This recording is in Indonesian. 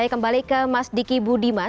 saya kembali ke mas diki budiman